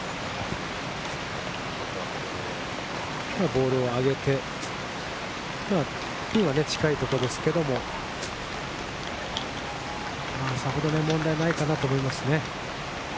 ボールを上げて、ピンまで近いところですけど、さほど問題ないかなと思いますね。